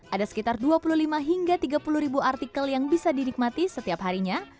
ada sekitar dua puluh lima hingga tiga puluh ribu artikel yang bisa dinikmati setiap harinya